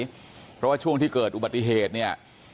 เพราะว่าช่วงที่เกิดอุบัติเหตุเนี่ย